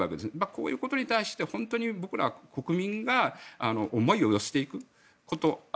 こういうことに対して本当に僕ら国民が思いを寄せていくこと